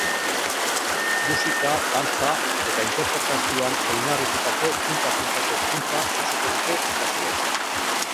Musika, dantza eta interpretazioan oinarritutako punta-puntako hezkuntza jasoko dute ikasleek.